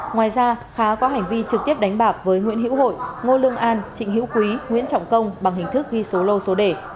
ngoài ra khá có hành vi trực tiếp đánh bạc với nguyễn hữu hội ngô lương an trịnh hữu quý nguyễn trọng công bằng hình thức ghi số lô số đề